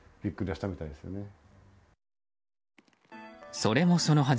それもそのはず